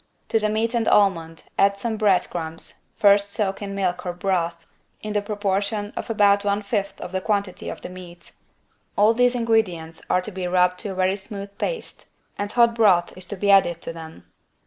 To the meat and almond add some bread crumbs, first soaked in milk or broth, in the proportion of about one fifth of the quantity of the meat. All these ingredients are to be rubbed to a very smooth paste and hot broth is to be added to them.